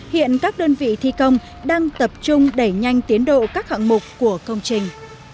hiện các đơn vị thi công đang tập trung đẩy nhanh tiến độ các hạng mục của công trình